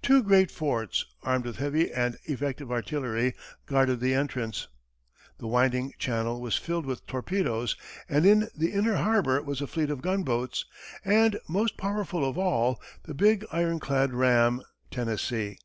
Two great forts, armed with heavy and effective artillery, guarded the entrance; the winding channel was filled with torpedoes, and in the inner harbor was a fleet of gunboats, and, most powerful of all, the big, ironclad ram, Tennessee.